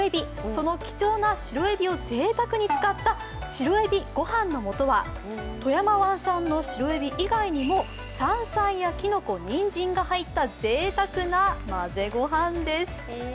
その貴重な白えびを贅沢に使った白えびごはんの素は富山湾産の白えび以外にも山菜やきのこ、にんじんが入ったぜいたくな混ぜ御飯です。